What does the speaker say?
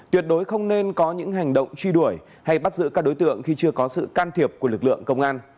tuyệt đối không nên có những hành động truy đuổi hay bắt giữ các đối tượng khi chưa có sự can thiệp của lực lượng công an